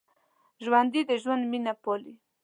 ژوندي د ژوند مینه پالي